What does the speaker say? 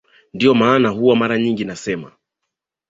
Ndio maana huwa mara nyingi nasema